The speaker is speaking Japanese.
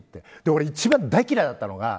俺、一番大嫌いだったのが。